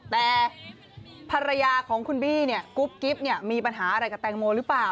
แต่ภรรยาของคุณบี้เนี่ยกุ๊บกิ๊บเนี่ยมีปัญหาอะไรกับแตงโมหรือเปล่า